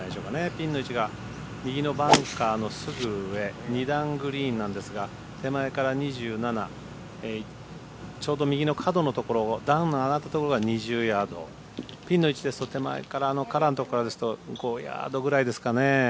ピンの位置が右のバンカーのすぐ上２段グリーンなんですが手前から２７ちょうど右の角のところを段の上がったところが２０ヤード、ピンの位置ですと手前のカラーからですと５ヤードぐらいですかね。